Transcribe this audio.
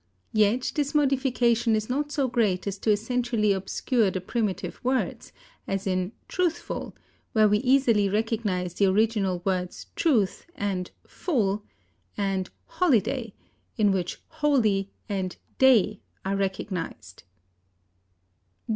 Yet this modification is not so great as to essentially obscure the primitive words, as in truthful, where we easily recognize the original words truth and full; and holiday, in which holy and day are recognized.